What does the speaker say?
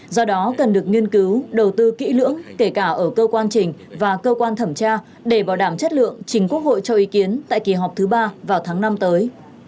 do đó cần được nghiên cứu đầu tư kỹ lưỡng kể cả ở cơ quan trình và cơ quan thẩm tra để bảo đảm chất lượng trình quốc hội cho ý kiến tại kỳ họp thứ ba vào tháng năm tới